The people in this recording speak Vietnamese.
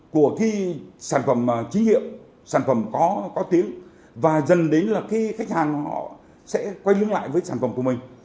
của cái sản phẩm chính hiệu sản phẩm có tiếng và dần đến là cái khách hàng họ sẽ quay lướng lại với sản phẩm của mình